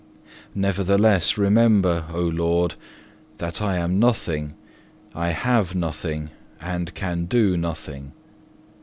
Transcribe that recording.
Nevertheless remember, O Lord, that I am nothing, I have nothing, and can do nothing.